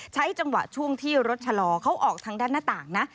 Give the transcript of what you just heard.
ใช้จังหวะช่วงที่รถชะลอเขาออกทางด้านหน้าต่างนะ